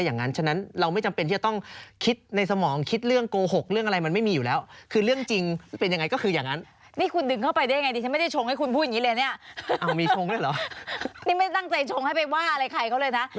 นี่ไม่ได้ตั้งใจชงให้ไปว่าอะไรใครเขาเลยนะ